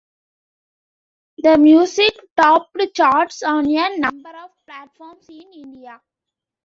The music topped charts on a number of platforms in India.